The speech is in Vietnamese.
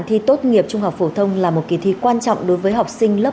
thi tốt nghiệp trung học phổ thông là một kỳ thi quan trọng đối với học sinh lớp một